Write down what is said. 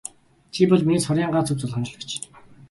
Чи бол миний цорын ганц өв залгамжлагч.